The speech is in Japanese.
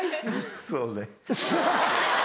そうね。